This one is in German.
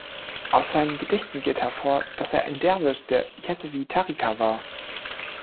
Aus seinen Gedichten geht hervor, dass er ein Derwisch der Yesevi-Tariqa war.